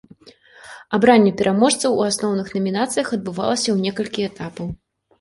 Абранне пераможцаў у асноўных намінацыях адбывалася ў некалькі этапаў.